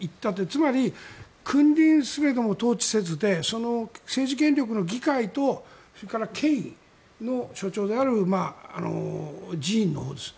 つまり、君臨すれども統治せずで政治権力の議会と権威の象徴である寺院のほうです。